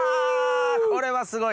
これはすごい。